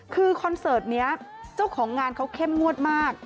คือคอนเสิร์ตนี้เจ้าของงานเขาเข้มงวดมาก